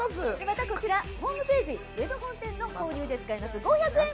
またこちらホームページウェブ本店の購入で使えます５００円